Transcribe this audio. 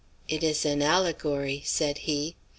"It is an allegory," said he.